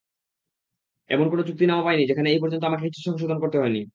এমন কোনও চুক্তিনামা পাইনি যেখানে এই পর্যন্ত আমাকে কিছু সংশোধন করতে হয়নি।